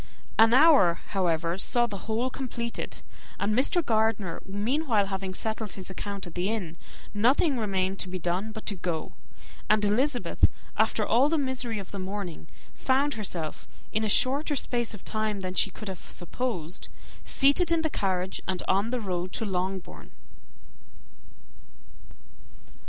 An hour, however, saw the whole completed; and Mr. Gardiner, meanwhile, having settled his account at the inn, nothing remained to be done but to go; and Elizabeth, after all the misery of the morning, found herself, in a shorter space of time than she could have supposed, seated in the carriage, and on the road to Longbourn.